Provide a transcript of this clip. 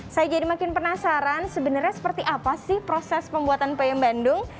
saya jadi makin penasaran sebenarnya seperti apa sih proses pembuatan peyem bandung